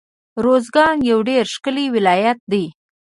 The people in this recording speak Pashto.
روزګان يو ډير ښکلی ولايت دی